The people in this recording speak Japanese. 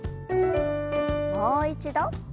もう一度。